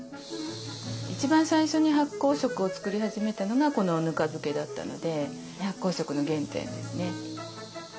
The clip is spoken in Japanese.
一番最初に発酵食を作り始めたのがこのぬか漬けだったので発酵食の原点ですね。